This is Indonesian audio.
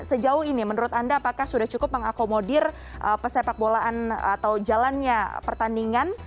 sejauh ini menurut anda apakah sudah cukup mengakomodir pesepak bolaan atau jalannya pertandingan